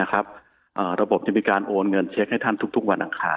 ระบบจะมีการโอนเงินเช็คให้ท่านทุกวันอังคาร